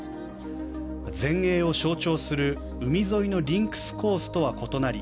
全英を象徴する海沿いのリンクスコースとは異なり